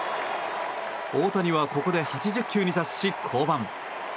大谷はここで８０球に達し降板。